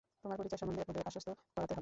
তোমার পরিচয় সম্বন্ধে ওদের আশ্বস্ত করাতে হবে।